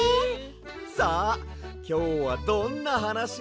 さあきょうはどんなはなしがきけるか。